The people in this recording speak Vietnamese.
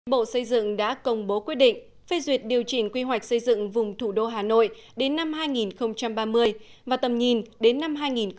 bộ xây dựng đã công bố quyết định phê duyệt điều chỉnh quy hoạch xây dựng vùng thủ đô hà nội đến năm hai nghìn ba mươi và tầm nhìn đến năm hai nghìn bốn mươi